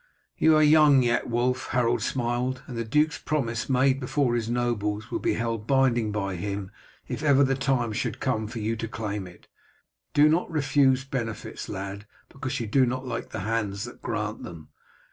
"You are young yet, Wulf," Harold smiled, "and the duke's promise, made before his nobles, will be held binding by him if ever the time should come for you to claim it. Do not refuse benefits, lad, because you do not like the hands that grant them.